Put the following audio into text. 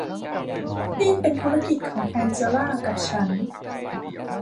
นี่เป็นธุรกิจของแองเจล่ากับฉัน